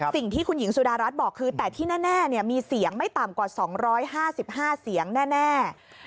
สิ่งที่คุณหญิงสุดารัฐบอกคือแต่ที่แน่มีเสียงไม่ต่ำกว่า๒๕๕เสียงแน่